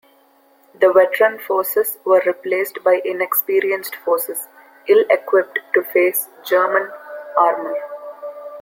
The veteran forces were replaced by inexperienced forces, ill-equipped to face German armour.